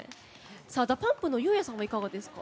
ＤＡＰＵＭＰのＵ‐ＹＥＡＨさんはいかがですか？